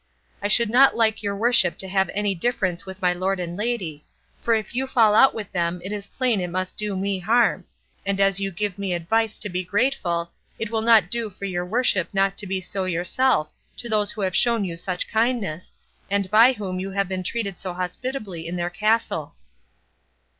I should not like your worship to have any difference with my lord and lady; for if you fall out with them it is plain it must do me harm; and as you give me advice to be grateful it will not do for your worship not to be so yourself to those who have shown you such kindness, and by whom you have been treated so hospitably in their castle.